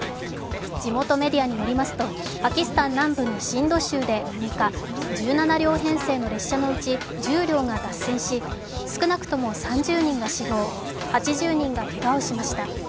地元メディアによりますとパキスタン南部のシンド州で６日、１７両編成の列車のうち１０両が脱線し、少なくとも３０人が死亡８０人がけがをしました。